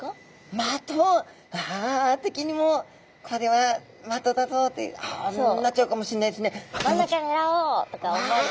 的わあ敵にも「これは的だぞ」ってあなっちゃうかもしれないですね。